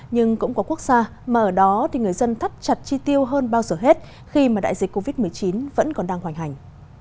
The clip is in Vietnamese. nhưng cũng có quốc gia mà ở đó thì người dân thắt chặt chi tiêu hơn bao giờ hết khi mà đại dịch covid một mươi chín vẫn còn đang hoành hành